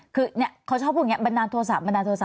คือเขาชอบพูดอย่างนี้บันดาลโทษะบันดาลโทษะ